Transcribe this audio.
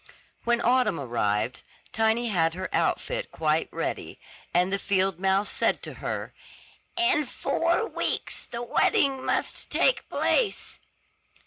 When autumn arrived, Tiny had her outfit quite ready; and the field mouse said to her, "In four weeks the wedding must take place."